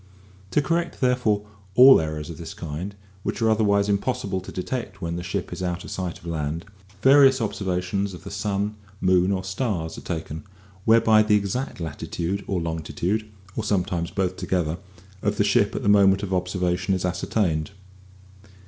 To correct, therefore, all errors of this kind, which are otherwise impossible to detect when the ship is out of sight of land, various observations of the sun, moon, or stars are taken, whereby the exact latitude or longitude (or sometimes both together) of the ship at the moment of observation is ascertained.